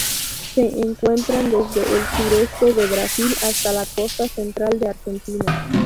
Se encuentran desde el sureste del Brasil hasta la costa central de Argentina.